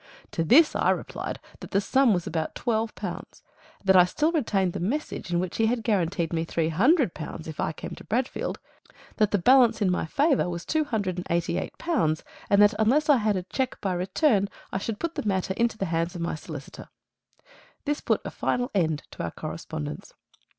To this I replied that the sum was about twelve pounds; that I still retained the message in which he had guaranteed me three hundred pounds if I came to Bradfield, that the balance in my favour was two hundred and eighty eight pounds; and that unless I had a cheque by return, I should put the matter into the hands of my solicitor. This put a final end to our correspondence.